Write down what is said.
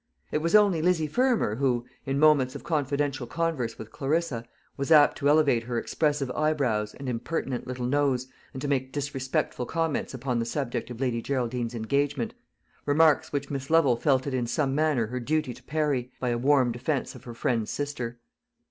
It was only Lizzie Fermor who, in moments of confidential converse with Clarissa, was apt to elevate her expressive eyebrows and impertinent little nose, and to make disrespectful comments upon the subject of Lady Geraldine's engagement remarks which Miss Lovel felt it in some manner her duty to parry, by a warm defence of her friend's sister.